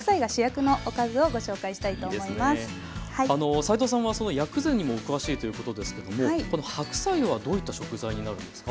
齋藤さんは薬膳にもお詳しいということですけどもこの白菜はどういった食材になるんですか？